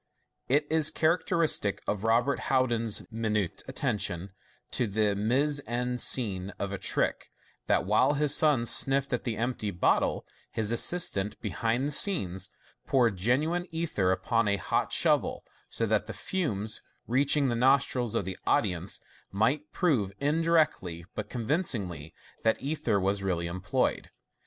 It is characteristic of Robert Houdin's minute attention to the mise en scene of a trick, that while his son sniffed at the empty bottle, his assistant, behind the scenes, poured genuine ether upon a hot shovel, so that the fumes, reaching the nostrils of the audience, might prove, indirectly but convincingly, that ether was really employed.